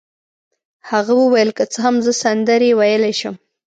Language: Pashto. هغه وویل: که څه هم زه سندرې ویلای شم.